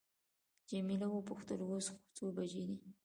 جميله وپوښتل اوس څو بجې دي.